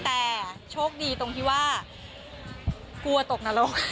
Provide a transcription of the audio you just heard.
แต่โชคดีตรงที่ว่ากลัวตกนรก